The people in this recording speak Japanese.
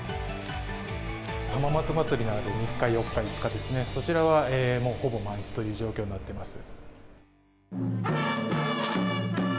浜松まつりのある３日、４日、５日ですね、そちらはもうほぼ満室という状況になってます。